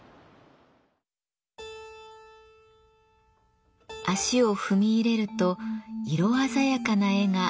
足を踏み入れると色鮮やかな絵が一面に広がります。